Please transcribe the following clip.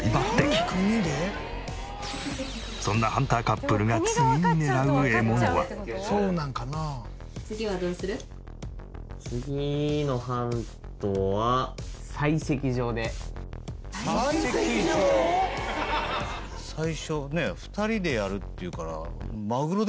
そんなハンターカップルが最初ね２人でやるっていうから。